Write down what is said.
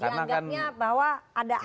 dianggapnya bahwa ada akon ini